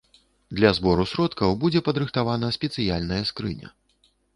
Для збору сродкаў будзе падрыхтавана спецыяльная скрыня.